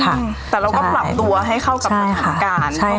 แต่เราก็ปรับตัวให้เข้ากับความขายของการ